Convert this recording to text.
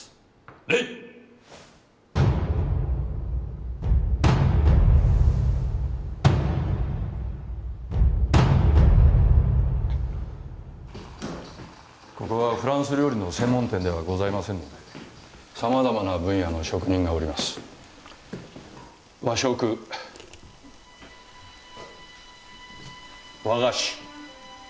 礼ここはフランス料理の専門店ではございませんので様々な分野の職人がおります和食和菓子